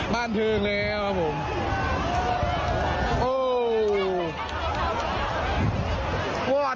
บ้านถึงแล้วครับผม